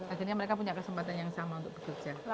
akhirnya mereka punya kesempatan yang sama untuk bekerja